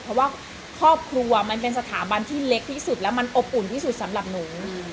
เพราะว่าครอบครัวมันเป็นสถาบันที่เล็กที่สุดแล้วมันอบอุ่นที่สุดสำหรับหนู